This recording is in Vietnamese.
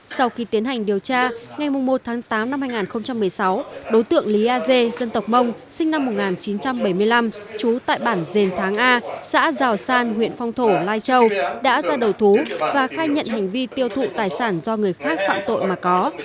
sau khi tiến hành điều tra ngày một tháng tám năm hai nghìn một mươi sáu đối tượng lý a dê dân tộc mông sinh năm một nghìn chín trăm bảy mươi năm trú tại bản dền tháng a xã giào san huyện phong thổ lai châu đã ra đầu thú và khai nhận hành vi tiêu thụ tài sản do người khác phạm tội mà có